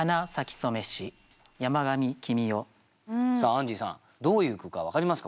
アンジーさんどういう句か分かりますか？